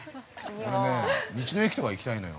俺ね、道の駅とか行きたいのよ。